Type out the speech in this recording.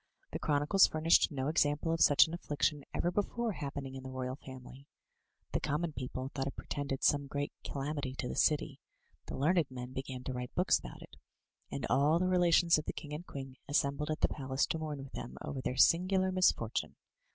The chronicles furnished no example of such an affliction ever before happening in the royal family. The common people thought it portended some great calamity to the city, the learned men began to write books about it; and all the relations of the king and queen assembled at the palace to mourn with them over their singular misfortime.